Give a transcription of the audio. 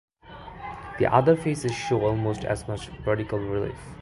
The other faces show almost as much vertical relief.